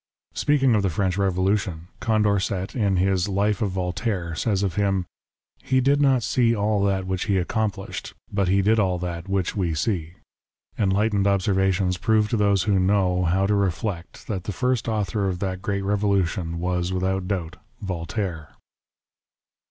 Speaking of the French Revolution, Condorcet, in his "Life of Voltaire," says of him, " He did not see all that which he accom plished, but he did all that which we see. Enlightened observations prove to those who know how to reflect that the. first author of that Great Revolution was without doubt Voltaire."